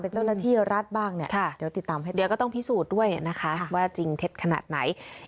เป็นเจ้าหน้าที่รัฐบ้างเนี่ยเดี๋ยวติดตามให้ด้วยนะคะว่าจริงเท็จขนาดไหน